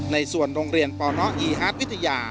ในส่วนโรงเรียนปนอีฮาร์ดวิทยา